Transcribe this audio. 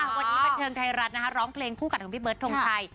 วันนี้บันเทิงไทยรัฐร้องเพลงคู่กัดของพี่เบิร์ดทงชัย